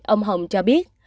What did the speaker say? ông hồng cho biết